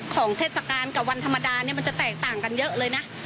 เทศกาลกับวันธรรมดาเนี่ยมันจะแตกต่างกันเยอะเลยนะ